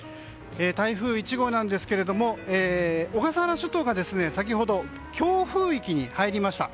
台風１号なんですが小笠原諸島が先ほど、強風域に入りました。